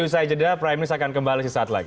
usai jeda prime news akan kembali sesaat lagi